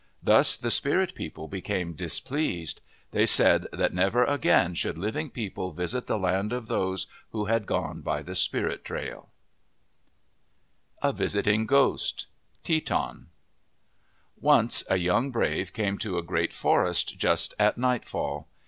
Thus the spirit people became displeased. They said that never again should living people visit the land of those who had gone by the spirit trail. 99 MYTHS AND LEGENDS A VISITING GHOST Teton ONCE a young brave came to a great forest just at nightfall.